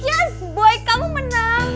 yes boy kamu menang